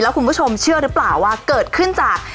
คุณผู้ชมเชื่อหรือเปล่าว่าเกิดขึ้นจาก